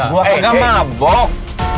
gue gak mabuk